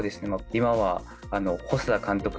今は細田監督